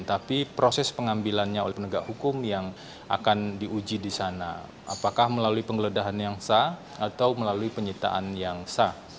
tapi proses pengambilannya oleh penegak hukum yang akan diuji di sana apakah melalui penggeledahan yang sah atau melalui penyitaan yang sah